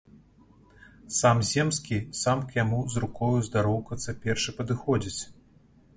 Сам земскі, сам к яму з рукою здароўкацца першы падыходзіць.